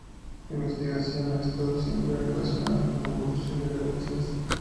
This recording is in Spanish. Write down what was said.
Su investigación ha estado siempre relacionada con la evolución de galaxias.